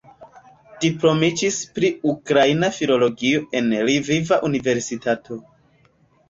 Diplomiĝis pri ukraina filologio en Lviva Universitato.